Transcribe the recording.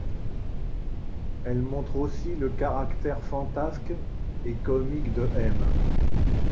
Elle montre aussi le caractère fantasque et comique de M.